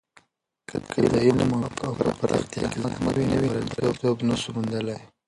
که د علم په پراختیا کې زحمت نه وي، نو بریالیتوب نسو موندلی.